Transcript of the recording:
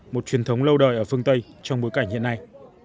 một truyền thống lâu đời ở phương tây trong bối cảnh hiện nay